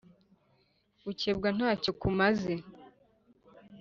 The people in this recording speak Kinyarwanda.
gukebwa nta cyo kumaze